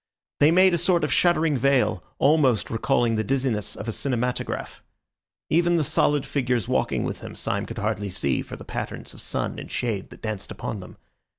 They made a sort of shuddering veil, almost recalling the dizziness of a cinematograph. Even the solid figures walking with him Syme could hardly see for the patterns of sun and shade that danced upon them.